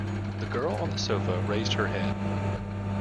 The girl on the sofa raised her head.